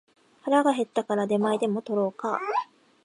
腹が減ったから出前でも取ろうか